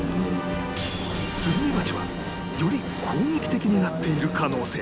スズメバチはより攻撃的になっている可能性が